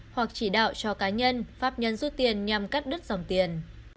hoặc chỉ đạo cho cá nhân pháp nhân rút tiền nhằm cắt đứt dòng tiền